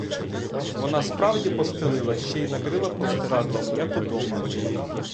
Вона справді постелила, ще й накрила простирадлом, як удома.